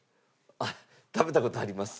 あっ食べた事あります。